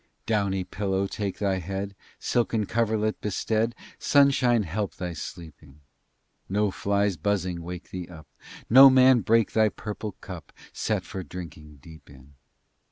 XVII Downy pillow take thy head, Silken coverlet bestead, Sunshine help thy sleeping! No fly's buzzing wake thee up, No man break thy purple cup Set for drinking deep in!